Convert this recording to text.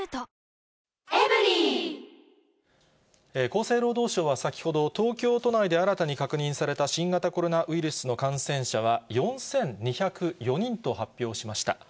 厚生労働省は先ほど、東京都内で新たに確認された新型コロナウイルスの感染者は４２０４人と発表しました。